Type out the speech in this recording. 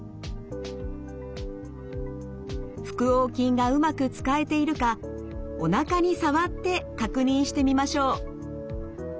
腹横筋がうまく使えているかおなかに触って確認してみましょう。